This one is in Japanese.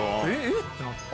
ってなって。